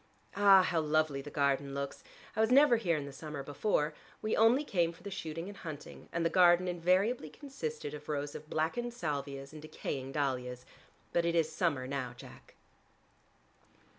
Ah, how lovely the garden looks! I was never here in the summer before: we only came for the shooting and hunting and the garden invariably consisted of rows of blackened salvias and decaying dahlias. But it is summer now, Jack."